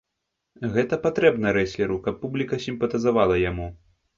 Гэта патрэбна рэстлеру, каб публіка сімпатызавала яму.